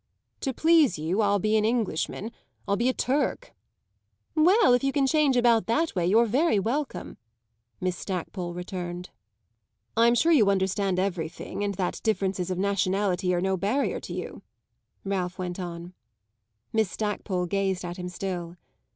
"To please you I'll be an Englishman, I'll be a Turk!" "Well, if you can change about that way you're very welcome," Miss Stackpole returned. "I'm sure you understand everything and that differences of nationality are no barrier to you," Ralph went on. Miss Stackpole gazed at him still.